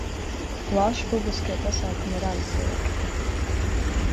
Plaši publiskie pasākumi ir aizliegti.